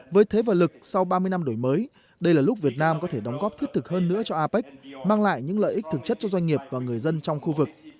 với thế và lực sau ba mươi năm đổi mới đây là lúc việt nam có thể đóng góp thiết thực hơn nữa cho apec mang lại những lợi ích thực chất cho doanh nghiệp và người dân trong khu vực